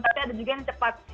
tapi ada juga yang cepat